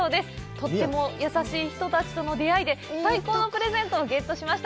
とっても優しい人たちとの出会いで、最高のプレゼントをゲットしました。